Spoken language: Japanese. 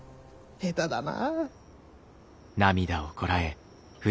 下手だな。